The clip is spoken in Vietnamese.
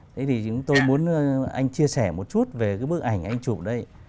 thế thì tôi muốn anh chia sẻ một chút về cái bức ảnh anh chụp đây